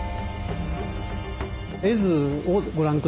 絵図をご覧下さい。